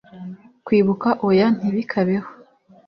kwibuka oya ntibikabeho